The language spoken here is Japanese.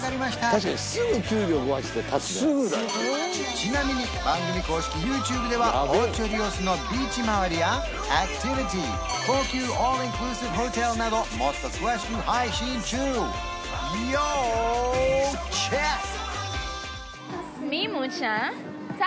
ちなみに番組公式ＹｏｕＴｕｂｅではオーチョ・リオスのビーチまわりやアクティビティ高級オールインクルーシブホテルなどもっと詳しく配信中要チェック！